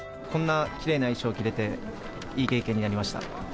こんなきれいな衣装を着れて、いい経験になりました。